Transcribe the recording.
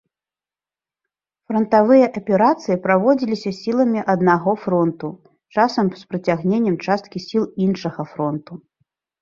Франтавыя аперацыі праводзіліся сіламі аднаго фронту, часам з прыцягненнем часткі сіл іншага фронту.